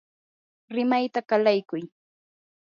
rimayta qalaykuy.